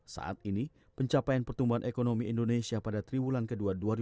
saat ini pencapaian pertumbuhan ekonomi indonesia pada tribulan ke dua dua ribu enam belas